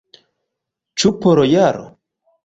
Ĉu por jaro?